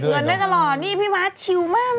เก็บเงินได้ตลอดนี่พี่มอดชิวมากน่ะ